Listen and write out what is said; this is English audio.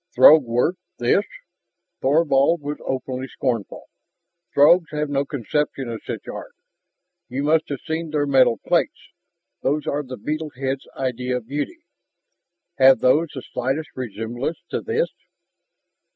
"Throg work this?" Thorvald was openly scornful. "Throgs have no conception of such art. You must have seen their metal plates those are the beetle heads' idea of beauty. Have those the slightest resemblance to this?"